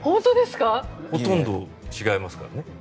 ほとんど違いますからね。